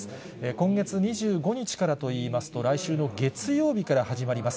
今月２５日からといいますと、来週の月曜日から始まります。